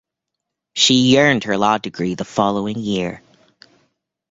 She earned her law degree the following year.